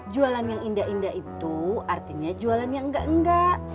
jualan yang indah indah itu artinya jualan yang enggak enggak